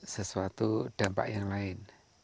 sesuatu dampak yang lain